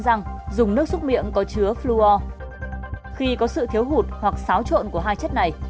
rằng dùng nước xúc miệng có chứa fluo khi có sự thiếu hụt hoặc xáo trộn của hai chất này